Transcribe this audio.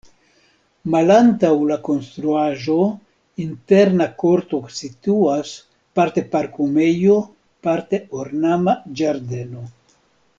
Malantaŭ la konstruaĵo interna korto situas, parte parkumejo, parte ornama ĝardeno.